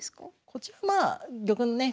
こちらまあ玉のね